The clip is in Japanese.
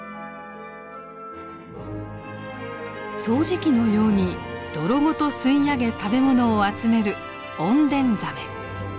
掃除機のように泥ごと吸い上げ食べ物を集めるオンデンザメ。